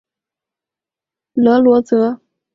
勒罗泽。